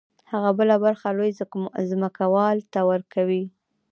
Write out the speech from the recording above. هغه بله برخه لوی ځمکوال ته ورکوي